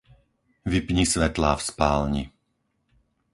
Vypni svetlá v spálni.